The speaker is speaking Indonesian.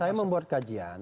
saya membuat kajian